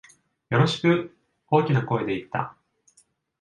よろしく、大きな声で言った。